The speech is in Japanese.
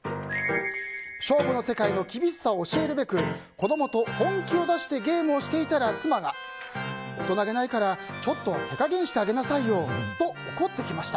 勝負の世界の厳しさを教えるべく子供と本気を出してゲームをしていたら、妻が大人げないからちょっとは手加減してあげなさいよと怒ってきました。